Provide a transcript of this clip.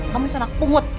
kamu itu anak pungut